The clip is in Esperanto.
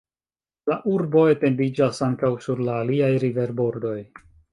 La urbo etendiĝas ankaŭ sur la aliaj riverbordoj.